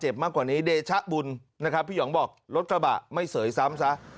เจ็บมากกว่านี้เดชะบุลนะฮะสงสัยค่ะพี่หย่องบอกรถขบะไม่เส๋ยซ้ำค่ะ